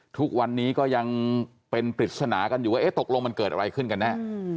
ทุกวันนี้ก็ยังเป็นปริศนากันอยู่ว่าตกลงมันเกิดอะไรขึ้นกันแน่